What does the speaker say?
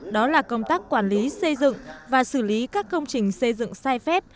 đó là công tác quản lý xây dựng và xử lý các công trình xây dựng sai phép